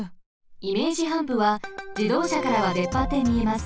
イメージハンプはじどうしゃからはでっぱってみえます。